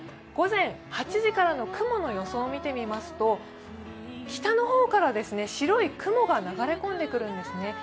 午前８時からの雲の予想を見てみますと、北の方から白い雲が流れ込んでくるんですね。